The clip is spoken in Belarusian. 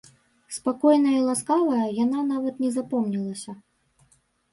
Спакойная і ласкавая, яна нават не запомнілася.